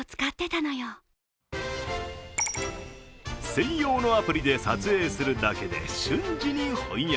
専用のアプリで撮影するだけで瞬時に翻訳。